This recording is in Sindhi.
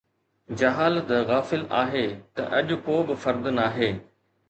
جهالت غافل آهي ته اڄ ڪو به فرد ناهي